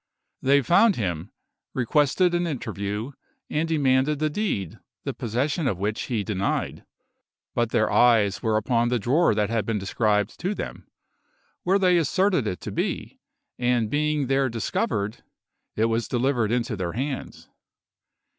They found him, requested an interview, and demanded the deed, the possession of which he denied; but their eyes were upon the drawer that had been described to them, where they asserted it to be, and being there discovered, it was delivered into their hands.